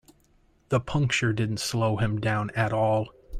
The puncture didn't slow him down at all.